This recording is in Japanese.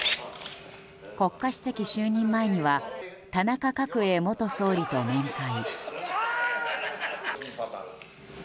国家主席就任前には田中角栄元総理と面会。